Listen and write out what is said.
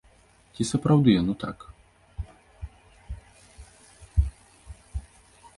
Ці сапраўды яно так?